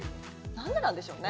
何でなんでしょうね。